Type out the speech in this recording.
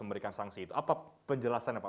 memberikan sanksi itu apa penjelasan apa